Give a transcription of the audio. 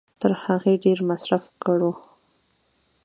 تر هغې ډېر مصرف کړو